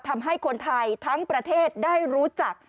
ทำให้คนไทยทั้งประเทศได้รู้จัก